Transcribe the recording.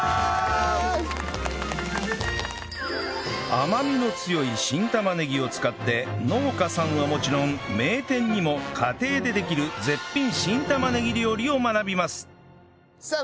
甘みの強い新玉ねぎを使って農家さんはもちろん名店にも家庭でできる絶品新玉ねぎ料理を学びますさあ